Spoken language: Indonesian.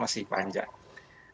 mas gibran ditugaskan sama partai untuk